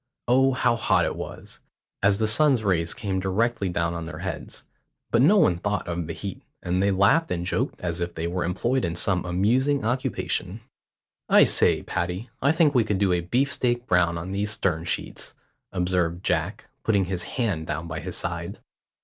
Oh, how hot it was, as the sun's rays came directly down on their heads; but no one thought of the heat, and they laughed and joked as if they were employed in some amusing occupation. "I say, Paddy, I think we could do a beefsteak brown on these stern sheets," observed Jack, putting his hand down by his side.